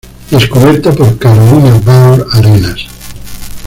Descubierta por Carolina Baur Arenas.